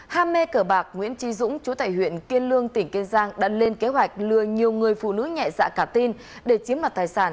ham mê cờ bạc nguyễn tri dũng chú tại huyện kiên lương tỉnh kiên giang đã lên kế hoạch lừa nhiều người phụ nữ nhẹ dạ cả tin để chiếm mặt tài sản